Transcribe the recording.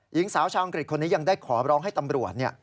หญิงสาวชาวอังกฤษคนนี้ยังได้ขอร้องให้ตำรวจ